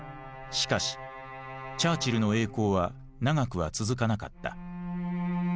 しかしチャーチルの栄光は長くは続かなかった。